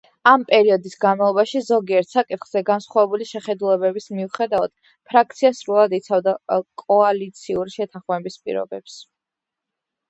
ამ პერიოდის განმავლობაში ზოგიერთ საკითხზე განსხვავებული შეხედულებების მიუხედავად, ფრაქცია სრულად იცავდა კოალიციური შეთანხმების პირობებს.